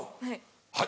はい。